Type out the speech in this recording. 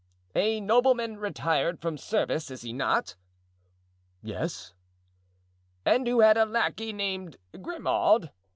"A nobleman retired from service, is he not?" "Yes." "And who had a lackey named Grimaud?"